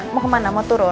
mau kemana mau turun